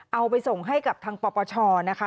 เอาไปส่งให้กับทางปปชนะคะ